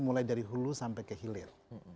mulai dari hulu sampai ke hilir